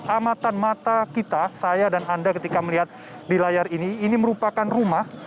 amatan mata kita saya dan anda ketika melihat di layar ini ini merupakan rumah